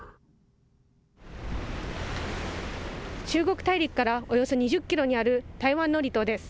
中国大陸からおよそ２０キロにある台湾の離島です。